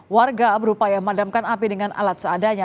warga berupaya memadamkan api dengan alat seadanya